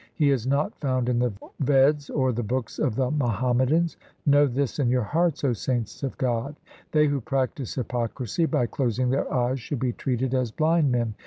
He is not found in the Veds or the books of the Muham madans. Know this in your hearts, O saints of God. They who practise hypocrisy by closing their eyes Should be treated as blind men.